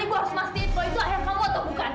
ibu harus mastiin kalau itu ayah kamu atau bukan